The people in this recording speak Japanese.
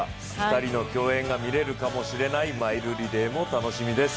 ２人の競演がみられるかもしれないマイルリレーももうすぐです。